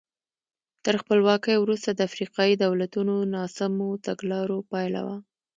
تر خپلواکۍ وروسته د افریقایي دولتونو ناسمو تګلارو پایله وه.